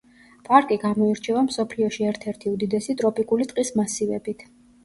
პარკი გამოირჩევა მსოფლიოში ერთ-ერთი უდიდესი ტროპიკული ტყის მასივებით.